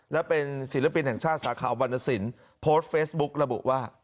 และเป็นศิลปินแห่งชาติสาขาวรรณสินโพสต์เฟซบุ๊กระบุว่า